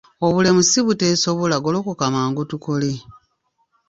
Obulemu si buteesobola golokoka mangu tukole.